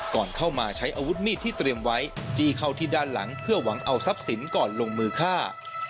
ก่อนเข้ามาใช้อาวุธมีดที่เตรียมไว้จี้เข้าที่ด้านหลังเพื่อหวังเอาทรัพย์สินก่อนลงมือฆ่า